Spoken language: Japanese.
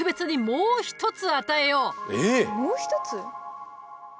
もう一つ？